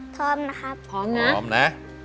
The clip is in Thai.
พร้อมนะครับพร้อมนะ